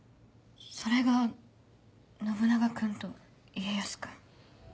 それが信長君と家康君？